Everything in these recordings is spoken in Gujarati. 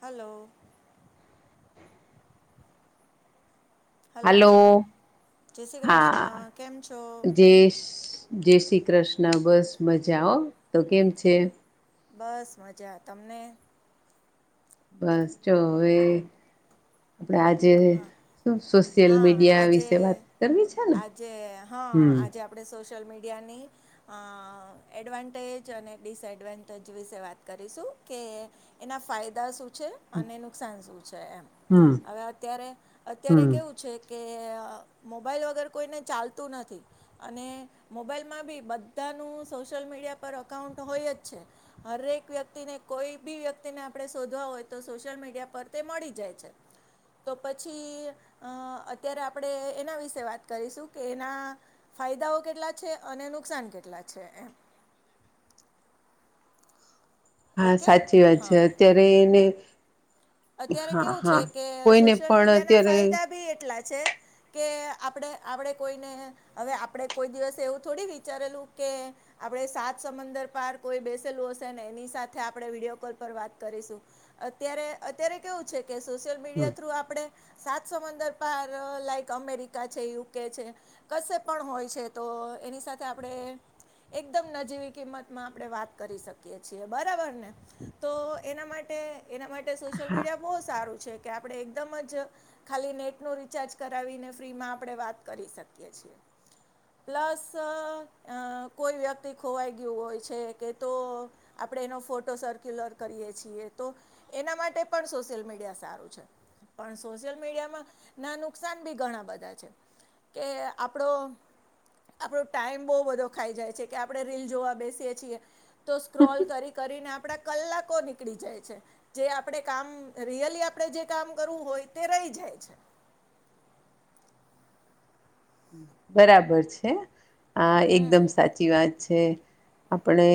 હલો હલો જય શ્રી કૃષ્ણ હા કેમ છો જે જય શ્રી કૃષ્ણ બસ મજાઓ તો કેમ છે બસ મજા તમને બસ ચ હવે આપડે આજે સોશિયલ હા મીડિયા આજે વિશે વાત કરવી છે ને હમ સોશયલ મીડિયાની એડવાન્ટેજ અને ડિસએડવાન્ટેજ વિશે વાત કરીશું કે એના ફાયદા શ ાન હમ હ અત્યારે હમ કેવું છે કે મોબાઈલ વગર કોઈને ચાલતું નથી અને મોબાઈલમાં બી બધાનું સોશિયલ મીડ પર અઉન્ટ હોય જ છે હરેક વ્યક્તિને કોઈ બી વ્યક્તિને આપણે શોધવા હોય તો સોશિયલ મીડિયા પર તે મળી જાય છે તો પછી અ અત્યારે આપણે એના વિશે વાત કરીશું કે એના ફાયદાઓ કેટલા છે અને નુકસાન કેટલા છે એમ હા ઓકે સાચી વાત છે હા અત્યારે એને અત્યારે હા કેવું છે હા કે કોઈને સોશિયલ પણ મીડિયા ના અત્યારે ફાયદા બી એટલા છે કે આપણે આપણે કોઈને હવે આપણે કોઈ દિવસે એવું થોડી વિચારેલું કે આપણે સાત સમદર પાર કોઈ બેસેલું હશે ને એની સાથે આપણે વિડીયો કોલ પર વાત કરીશું અત્યારે અત્યારે કેવું છે કે સોશિયલ મીડિયા થ્રુ આપડણે સાતસંદર પાર લાઈક અમેરિકા છે યુકે છે કશે પણ હોય છે તો તો એની સાથે આપણે એકદમ નજીવી કિંમત માં આપણે વાત કરી શકીએ છીએ બરાબર ને તો એના માટે એ એના માટે સોશિયલ હા મીડિયા બઉ સારું છે કે આપડે એકદમ જ ખાલી નેટનુ રિચાર્જ કરાવીને ફ્રી માં આપડે વાત કરી શકીએ છીએ. છીએ. પ્લસ અ કોઈ વ્યક્તિ ખોવાઈ ગયું હોય છે કે તો આપડે એનો ફોટો સર્ક્યુલર કરીએ છીએ તો એના માટે પણ સોશિયલ મીડિયા સારું છે. પણ સોશિયલ મીડિયામાં ના નુકસાન બી ઘણા બધા છે. કે આપડો આપડો ટાઈમ બઉ બધો ખાઈ જાય છે કે આપડે રીલ જોવા બેસીએ છીએ. તો સ્ક્રોલ કરી કરીને આપડા કલાકો નીકળી જાય છે. જે આપડે કામ રિયલી આપડે જે કામ કરવું હોય તે રઈ જાય છે. [inaudible] બરાબર છે. આ હમ એકદમ સાચી વાત છે. આપડે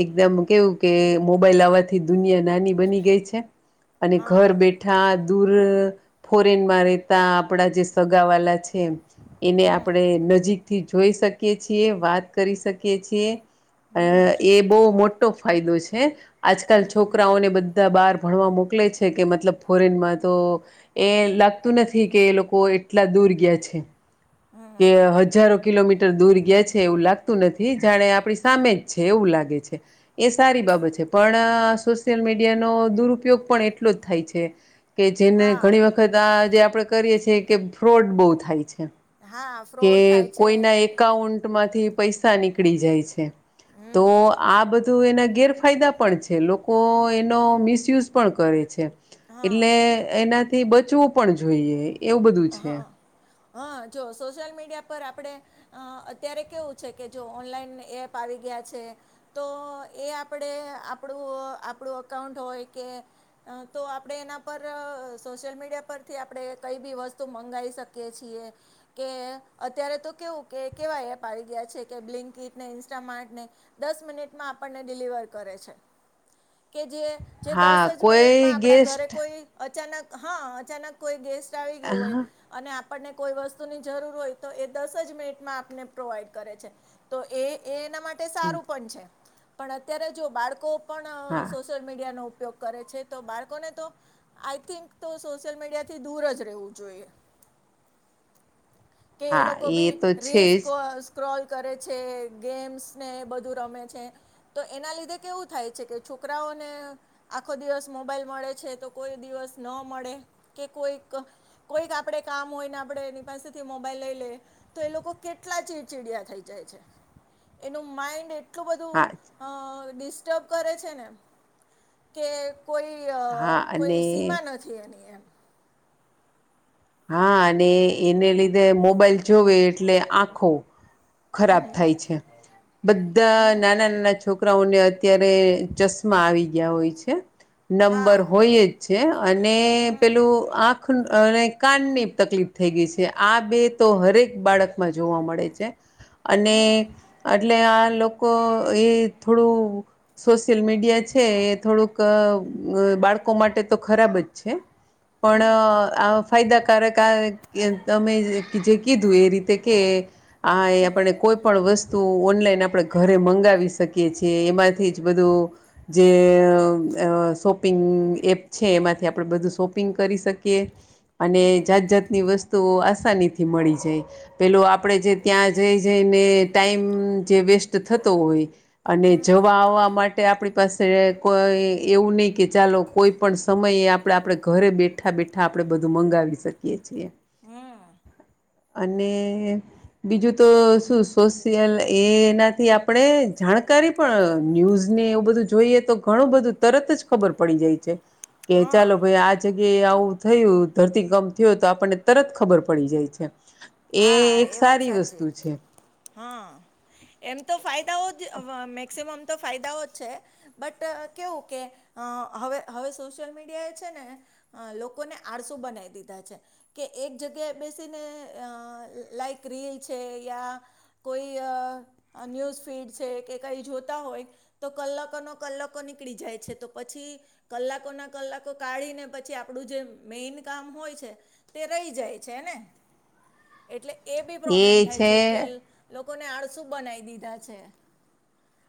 એકદમ કેવું કે મોબાઈલ આવાથી દુનિયા નાની બની ગઈ છે. અને ઘર હા બેઠા દૂર ફોરેનમાં રહેેતા આપડે જે સગાવાલા છે એને આપડે નજીકથી જોઈ શકીએ છીએ. વાત કરી શકીએ છીએ. અ એ બહુ મોટો ફાયદો છે. આજકાલ છોકરાઓને બ ધા બાર ભણવા મોકલે છે કે મતલબ ફોરેનમાં તો એ લાગતું નથી કે એ લોકો એટલા દૂર ગયા છે કે હજારો કિલોમીટર દૂર ગયા છે એવું લાગતું નથી. જાણે આપણી સામે જ છે એવું લાગે છે. એ સારી બાબત છે પણ સોશિયલ મીડિયા નો દુરપયોગ પણ એટલો જ થાય છે. કે જેને હા ઘણી વખત આ જે આપડે કરીએ છીએ કે ફ્રોડ બઉ થાય છે. હા કે ફ્રોડ થાય છે કોઈના એકાઉન્ટમાંથી પૈસા નીકળી જાય છે. તો આ બધું એના ગેરફાયદા પણ છે. લોકો એનો મિસયુઝ પણ કરે છે. હા એટલે એના તે બચવું પણ જોઈએ એવું બધું છે. હન, જો સોશિયલ મીડિયા પર આપડે અત્યારે કેવું છે કે જો ઓનલાઈન એપ આવી ગયા આ છે. તો એ આપડે આપડુ આપડુ અકાઉન્ટ હોય કે તો આપડે એના પર સોશિયલ મીડિયા પરથી આપડે કઈ બી વસ્તુ મંગાઈ શકી છીએ. કે અત્યારે તો કેવું કે કેવા એપ આવી ગયા છે કે બલિંકિતને, ઇન્માર્ટને દસ મિનિટમાં આપડને ડિલિવર કરે છે. કે જે જે દસ હા જ કોઈ મિનિટમાં આપડા ઘરે ગેસ્ટ કોઈ અચાનક હન અચાનક કોઈ ગેસ્ટ આવી ગયું હોય હા અને આપડને કોઈ વસ્તુની જરૂર હોય તો એ દસ જ મિનિટમાં આપને પ્રોવાઈડ કરે છે. તો એ એ એમના માટે હમ સારું પણ છે. પણ અત્યારે જો બાળકો પણ હા સોશિયલ મીડિયા ઉપયોગ કરે છે. તો બાળકોને તો આઈ થિંક તો સોશિયલ મીડિયાથી દૂર જ રહેવું જોઈએ. કે એ હા લોકો ભી તો છે રીલ્સ જ સ્ક્રોલ કરે છે. ગેમ્સને બધું રમે છે. તો એના લીધે કેવું થાય છે કે છોકરાઓને આખો દિવસ મોબાઈલ મળે છે તો કોઈ દિવસ ન મળે કે કોઈક કોઈક આપડે કામ હોય ને આપડે એની પાસેથી મોબાઈલ લઈ લે તો એ લોકો કેટલા ચીડચીડયા થઈ જાય છે. એનું માઇન્ડ એટલું બધું હા અ ડિસ્ટર્બ કરે છે ને કે કોઈ અ હા કોઈ અને સીમા નથી એની એમ. હા, અને એને લીધે મોબાઈલ જોવે એટલે આંખો ખરાબ થાય છે. બધા હમ નાના-નાના છોક કરાઓને અત્યારે ચશ્મા આવી ગયા હોય છે. નંબર હા હોય જ છે. અને હમ પેલું આંખ અને કાનની તકલીફ થઈ ગઈ છે. આ બે તો હરેક બાળકમાં જોવા મળે છે. હમ અને એટલે આ લોકો એ થોડું સોશિયલ મીડિયા છે એ થોડુંક બાળકો માટે તો ખરાબ જ છે હમ પણ કારક આવે એમ જે કીધું એ રીતે કે આ આપણે કોઈ પણ વસ વસ્તુ ઓનલાઈન આપણે ઘરે મંગાવી શકીએ છીએ એમાંથી જ બધું જે અ શોપિંગ એપ છે એમાંથી આપણે બધું શોપિંગ કરી શકીએ. અને હમ જાત જાતની વસ તુઓ આસાનીથી મળી જાય પેલો આપણે જે ત્યાં જઈ જઈને ટાઈમ જે વેસ્ટ થતો હોય અને હમ જવા આવવા માટે આપણે પાસે કોઈ એવું નહીં કે ચાલો કોઈ પણ સમયે આપણે આપણે ઘરે બેઠા બેઠા આપણે બ ધુ મંગાવી શકીએ છીએ. હમ અને બીજું તો શું સોશિયલ એનાથી આપણે જા જાણકારી પણ ન્યૂઝ ને એવું બધું જોઈએ તો ઘણું બધું તરત જ ખબર પડી જાય છે. કે ચાલો હા ભાઈ આ જગ્યાએ આવું થયું ધરતી કંમપ થયો તો આપણને તરત ખબર પડી જાય છે. હા એક એ વાત સારી સાચી વસ્તુ છે હા એમ તો ફાયદાઓ અવ મેક્સ તેમ તો ફાયદાઓ જ છે બટ કેવું કે હવે હવે સોશિયલ મીડિયા એ છે ને લોકોને આળસુ બનાવી દીધા છે કે એક જગ્યાએ બેસીને અ લાઈક રીલ છે યા કોઈ અ ન્યુઝ ફીડ છે કે કંઈ જોતા હોય તો કલાકોના કલાકો નીકળી જાય છે તો પછી કલાકો ના કલાકો કાઢી ને પછી આપણું જે મેન કામ હોય છે તે રહી જાય છેને એટલે એ બી પ્રોબ્લેમ થાય છે કે લોક લોકોને આળસુ બનાવી દીધા છે.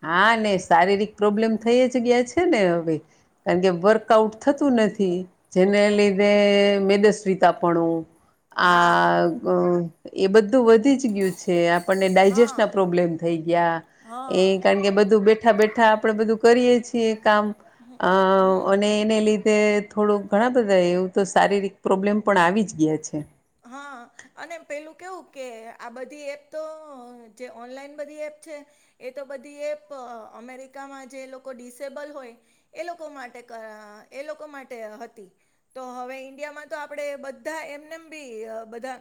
હા ને શારીરિક પ્રોબ્લેમ થઈ જ ગયા છે ને હવે કારણ કે વર્કઆઉટ થતું ને નથી જેને લીધે મેદસ વિતાપણું હા આ એ બધ ધુ વધી જ ગયું છે આપણને ડાયજેસ્ટ હા ના પ્રોબ્લેમ થઈ ગયા એ હા કારણ બધું બેઠા બેઠા આપણે બધું કરીયે છીએ કામ અ હમ અને એને લીધે તે થોડું ઘણા બધા એવું તો શારીરિક પ્રોબ્લેમ પણ આવી જ ગયા છે. હા અને પેલું કેવું કે આ બધી એપ તો જે ઓનલાઈન બધી એપ છે. એ તો બધી એપ અમેરિકામાં જે લોકો ડિસેબલ હોય એ લોકો માટે કર એ લોકો માટે હતી તો હવે ઈન્ડિયામાં તો આપણે બધા એમને બી બધા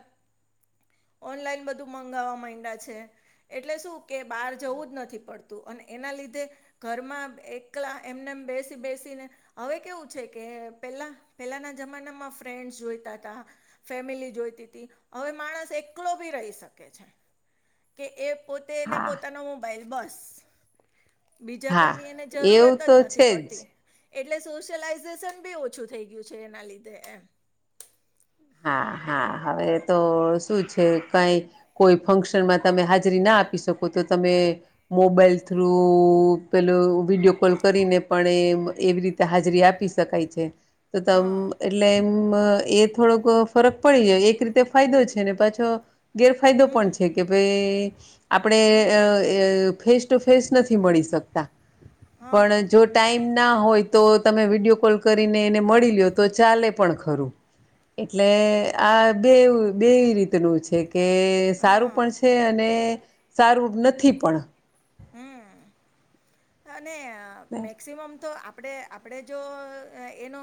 ઓનલાઈન બધું મંગાવવા માંયડા છે એટલે શું કે બહાર જવું જ નથી પડતું અને એના લી લીધે ઘરમાં એકલા એમને બેસી બેસીને હવે કેવું છે કે પેલા પેલાના જમાનામાં ફ્રેન્ડસ જોઈતા હતા ફેમિલી જોઈતી તી હવે માણસ એકલો ભી રહી શકે છે. કે એ પોતેને હા પોતાનો મોબાઈલ બસ બીજા હા કોઈની એને એવું જરૂરત જ તો નથી છે જ પડતી એટલે સોશયલાઈઝેશન બી ઓછું થઈ ગયું છે એના લીધે એમ હા હા હવે તો શું છે કંઈ કોઈ ફંક્શન મા તમે હાજરી ના આપી શકો તો તમે મોબાઈલ થ્રુ પેલો વિડીયો કોલ કરીને પણ એવી રીતે હાજરી આપી શકાય છે તો તમ હા એટલે એમ એ થોડોક ફરક પડી જાય એક રીતે ફાયદો છે ને પાછો ગેરફાયદો હમ પણ છે કે ભાઈ આપણે અ હમ અ ફેસ ટુ ફેસ નથી મળી શક શકતા હા પણ જો ટાઈમ ના હોય. તો તમે વિડીયો કોલ કરીને એને મળી લયો તો ચાલે પણ ખરું એટલે આ બેવ બેય રીતેનુ છે. કે સારું હા પણ છે. અને સારું નથી પણ. હમ્મ. અને મેક્સિમમ તો આ આપણે આપણે જો એ એનો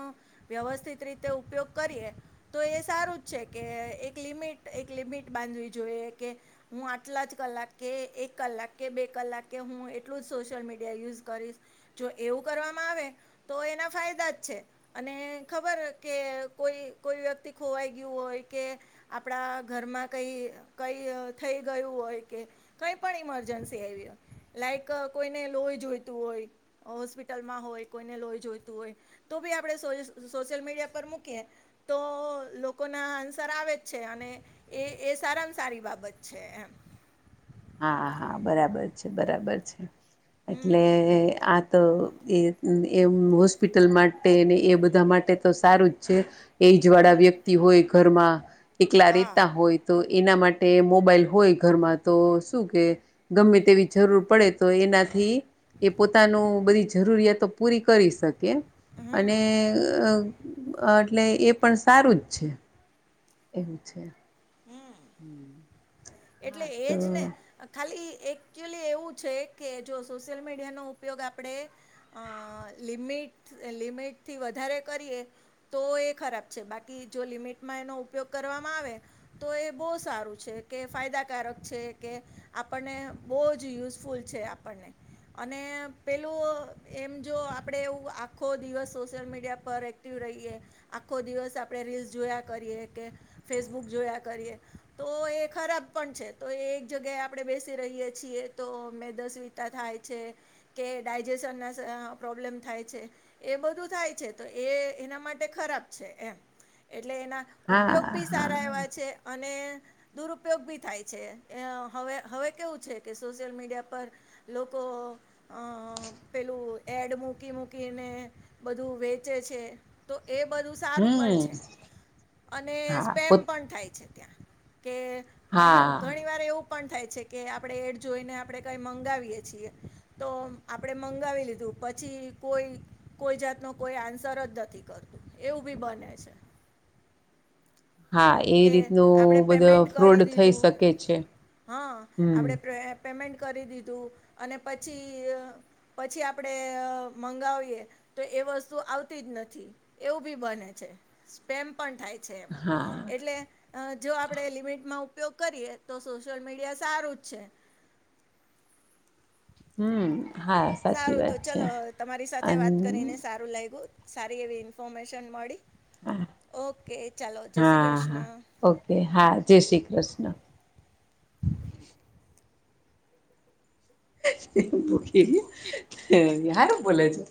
વ્યવસ્થિત રીતે ઉપયોગ કરીએ તો એ સારું છેકે. એક લિમિટ એક લિમિટ બાંધવી જોઈએ. કે હું આટલા જ કલાક કે એક કલાક કે બે કલાકે હું એટલું જ સોશિયલ મીડિયા યુઝ કરીશ. જો એવું કરવામાં આવે તો એના ફાયદ દાજ છે. અને ખબર કે કોઈ કોઈ વ્યક્તિ ખોવાઈ ગયું હોય કે આપણા ઘરમાં કંઈ કંઈ થઈ ગયું હોય કે, કંઈ પણ ઈમરજન્સી આવી હોય. લાઈક અ કોઈને લોહી જોઈતું હોય. હોસ્પિટલ માં હોય કોઈને લોય જોઈતું હોય. તો બી આપડણે સોસ સોશિયલ મીડિયા પર મૂકીએ, તો લોકો ના આન્સર આવે જ છે. અને એ એ સારામાં સારી બાબત છે એમ. હા હા બરાબર છે. બરાબર છે. હમ એટલે આ તો એ એમ એમ હોસ્પિટલ માટે એ બધા માટે તો સારું જ છે. એજ વાળા હમ વ્યક્તિ હોય ઘરમાં. એકલા હા રેતા હોય તો એના માટે મોબાાઈલ હોય ઘરમાં તો શું કે ગમે તેવી જરૂર પડે તો એનાથી એ પોતાનું બધીજ જરૂરિયાતો પૂરી કરી શકે. અને હમ અ એટલે એ પણ સારું જ છે. એવું છે. હમ્મ એટલે એજ ને ખાલી એકચ્યુલી એવું છે કે, જો સોશિયલ મીડિયાનો ઉપયોગ આપણે અ લિમિટ મિત લમિટ થી વધારે કરીએ તો એ ખરાબ છે. બાકી જો લિમિટમાં એનો ઉપયોગ કરવામાં આવે તો એ બહુ સારું છે કે, ફાયદાકારક છે કે, આપણને બહુ જ યુઝફુલ છ છે આપણને અને પેલું અ એમ જો આપડે એવું આખો દિવસ સોશિયલ મીડિયા પર એક્ટિવ રહીએ આખો દિવસ આપણે રીલ્સ જોયા કરીએ. કે ફેસબુક જોયા કરીએ તો એ ખરાબ પણ છે. તો એક જ્યાએ આપણે બેસી રહીએ છીએ તો. મે એસીદિતા થાય છે. કે ડાયજેશન ના પ્રોબ્લેમ થાય છે. એ બધું થાય છે. એતોએ એના માટે ખરાબ છે એમ. એટલે એના હા ઉપયોગ બી હા સારા એવા છે. ને દુરુપયોગ બી થાય છે. હ હવે હવે કેવું છે કે સોશિયલ મીડિયા પર લોકો અ પેલું એડ મૂકી મૂકીને બધું વેચે છે. તો એ બધું સારું પણ છે. હમ અને હા પોતા સ્પેમ પણ થાય છે ત્યાં. કે અ હા ઘણી વાર એવું પણ થાય છે કે, આપણે એડ જોઈને આપણે કઈ મંગાવીએ છીએ. તો આપણે મંગાવી લીધું પછી કોઈ કોઈ જાત નો કોઈ આન્સર જ નથી કરતું. એવું બી બને છે. [unintelligible] હા એવી કે આપણે રીતનું બધે ફ્રોડ થઈ શકે છે. હા આપડે હમ પ્રે પેમેન્ટ કરી દીધું. અને પછી અ પછી આપણે અ મંગાવીએ તો એ વસ્તુ આવતી જ નથી. એવું બી બને છે. સ્પેમ પણ થાય છે એમાં. હા એટલે અ જો આપણે લિમિટમાં ઉપયોગ કરીએ તો સોશિયલ મીડિયા સારું જ છે. હમ્મ સારું તો ચલો, તમારી સાથે અન વાત કરીને સારું લાગ્યું. સારી એવી ન્ફારમેશન મળી. હા ઓક હા હા, ઓકે હા, જય શ્રી કૃષ્ણ. [unintelligible] [unintelligible] હારુ બોલે છે.